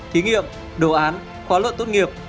thí nghiệm đồ án khóa luận tốt nghiệp